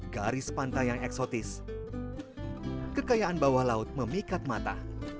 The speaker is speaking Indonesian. garis pantai yang eksotis kekayaan bawah laut memikat mata